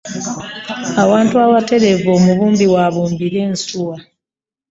Ewantu awatereevu omubumbi w'abumbira ensuwa.